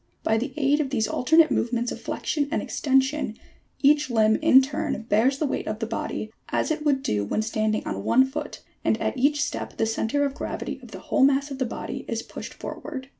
By the aid of these alternate movements of flexion and extension each limb in turn bears the weight of the body, as it would do when standing on one foot, and at each step the centre of gravity of the whole mass of the body is pushed for ward.